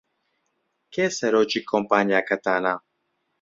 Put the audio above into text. کێ سەرۆکی کۆمپانیاکەتانە؟